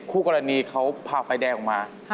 คู่กรณีเขาผ่าไฟแดงออกมา